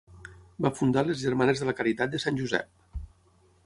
Va fundar les Germanes de la Caritat de Sant Josep.